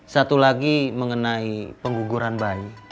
satu lagi mengenai pengguguran bayi